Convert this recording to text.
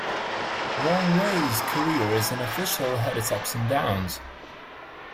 Wang Wei's career as an official had its ups and downs.